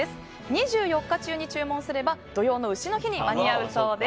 ２４日中に注文すれば土用の丑の日に間に合うそうです。